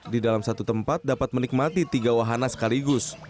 di dalam satu tempat dapat menikmati tiga wahana sekaligus